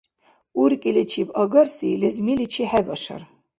УркӀиличиб агарси лезмиличи хӀебашар.